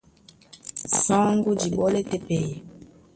Saŋgó dí ɓɔ́lɛ́ tɛ́ pɛyɛ,